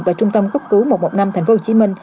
và trung tâm cốc cứu một trăm một mươi năm tp hcm